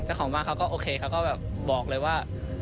เจ้าของบ้านเขาก็โอเคเขาก็แบบบอกเลยว่า